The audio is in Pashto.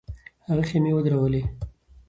هغه خېمې ودرولې.